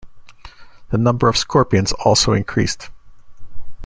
The number of scorpions also increased.